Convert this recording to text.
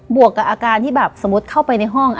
วกกับอาการที่แบบสมมุติเข้าไปในห้อง